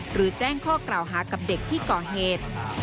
หรือแจ้งข้อกล่าวหากับเด็กที่ก่อเหตุ